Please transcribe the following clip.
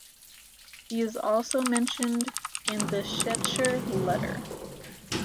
He is also mentioned in the Schechter Letter.